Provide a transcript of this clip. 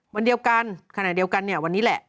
วันเดียวกันขณะเดียวกันเนี่ยวันนี้แหละ